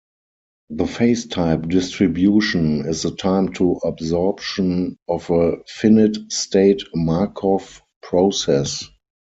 The phase-type distribution is the time to absorption of a finite state Markov process.